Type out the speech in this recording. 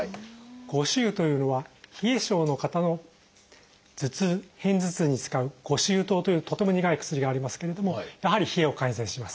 呉茱萸というのは冷え症の方の頭痛片頭痛に使う呉茱萸湯というとても苦い薬がありますけれどもやはり冷えを改善します。